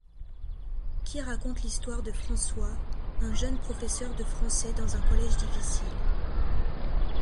Qui raconte l’histoire de François, un jeune professeur de français dans un collège difficile.